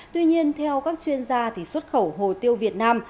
tuy nhiên theo các chuyên gia xuất khẩu hồ tiêu việt nam